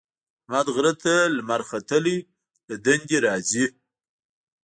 احمد غره ته لمر ختلی له دندې ارځي.